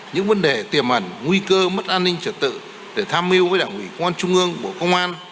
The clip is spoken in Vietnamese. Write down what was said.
những vấn đề tiềm ẩn nguy cơ mất an ninh trật tự để tham mưu với đảng ủy quan trung ương bộ công an